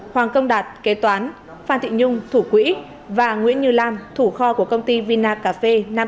hoàng công đạt kế toán phan thị nhung thủ quỹ và nguyễn như lam thủ kho của công ty vinacafé nam